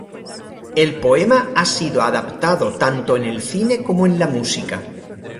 El poema ha sido adaptado tanto en el cine como en la música.